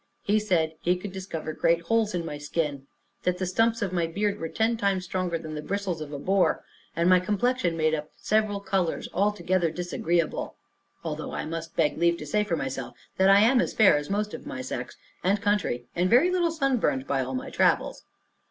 He said "he could discover great holes in my skin; that the stumps of my beard were ten times stronger than the bristles of a boar, and my complexion made up of several colors, altogether disagreeable"; although I must beg leave to say for myself, that I am as fair as most of my sex and country, and very little sunburned by all my travels.